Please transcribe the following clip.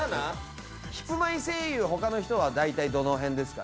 『ヒプマイ』声優他の人は大体どの辺ですか？